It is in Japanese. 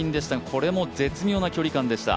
これも絶妙な距離感でした。